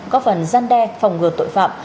có phần gian đe phòng ngừa tội phạm